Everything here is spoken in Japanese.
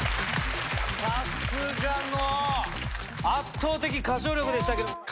圧倒的歌唱力でしたけど。